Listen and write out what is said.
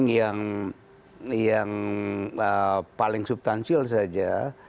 yang paling subtansial saja